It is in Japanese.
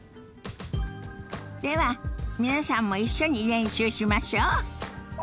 では皆さんも一緒に練習しましょ。